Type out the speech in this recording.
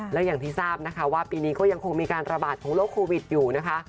แล้วอย่างที่ทราบนะคะว่าปีนี้ก็ยังคงมีการระบาดของโรคโควิดอยู่นะคะ